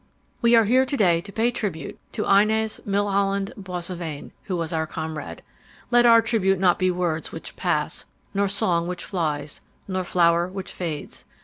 "We are here to day to pay tribute to Inez Milholland Boissevain, who was our comrade. Let our tribute be not words which pass, nor song which flies, nor flower which fades.